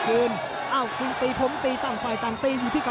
หรือว่าผู้สุดท้ายมีสิงคลอยวิทยาหมูสะพานใหม่